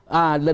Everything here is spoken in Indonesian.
dan lembaga itu